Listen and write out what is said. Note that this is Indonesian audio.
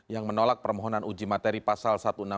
yang menolak permohonan uji materi pasal satu ratus enam puluh